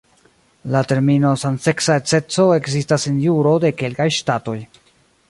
La termino "samseksa edzeco" ekzistas en juro de kelkaj ŝtatoj.